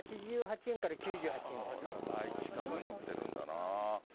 倍近くになってるんだな。